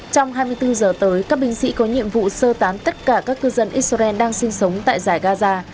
trong hai mươi bốn giờ tới các binh sĩ có nhiệm vụ sơ tán tất cả các cư dân israel đang sinh sống tại giải gaza